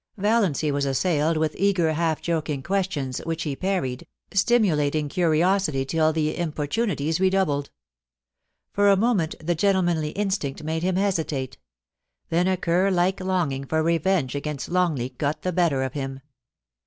Valiancy was assailed with eager, half joking questions, which he parried, stimulating curiosity till the importunities redoubled. For a moment the gentlemanly instinct made him hesitate ; then a cur like longing for revenge against Longleat got the better of him.